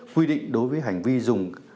quy định đối với hành vi dùng